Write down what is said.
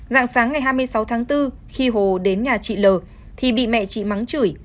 dạng sáng ngày hai mươi sáu tháng bốn khi hồ đến nhà chị l thì bị mẹ chị mắng chửi